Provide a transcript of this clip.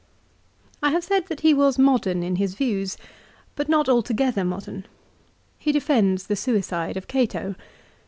2 I have said that he was modern in his views, but not altogether modern. He defends the suicide of Cato.